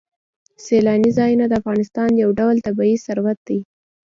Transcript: سیلاني ځایونه د افغانستان یو ډول طبعي ثروت دی.